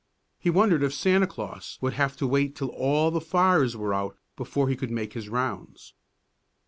He wondered if Santa Claus would have to wait till all the fires were out before he could make his rounds.